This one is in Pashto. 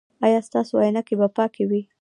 ایا ستاسو عینکې به پاکې وي؟